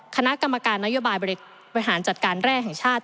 คณะกรรมการนโยบายบริหารจัดการแร่แห่งชาติ